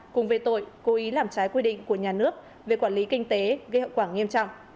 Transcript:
cùng về tội cố ý làm trái quy định của nhà nước về quản lý kinh tế gây hậu quả nghiêm trọng